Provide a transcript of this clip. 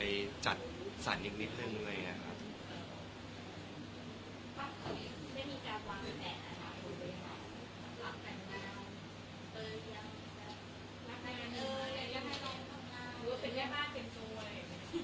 ก็คิดว่าจะไม่มีการวางแบบนั้นหรือเป็นแย่บ้านเต็มโชว์อะไรอย่างเงี้ย